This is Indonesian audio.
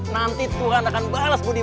nanti tuhan akan balas gue deh